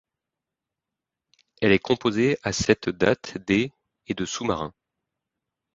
Elle est composée à cette date des et de sous-marins.